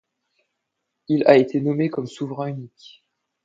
Il a été nommé comme souverain unique.